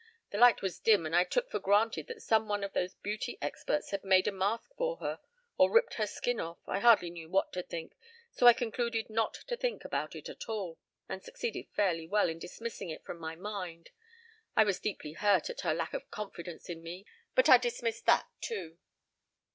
The light was dim and I took for granted that some one of those beauty experts had made a mask for her, or ripped her skin off I hardly knew what to think, so I concluded not to think about it at all, and succeeded fairly well in dismissing it from my mind. I was deeply hurt at her lack of confidence in me, but I dismissed that, too.